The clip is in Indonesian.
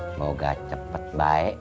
semoga cepet baik